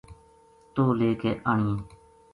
تو لے کے آنیے